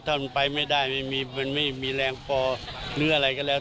ถ้ามันไปไม่ได้มันไม่มีแรงพอหรืออะไรก็แล้ว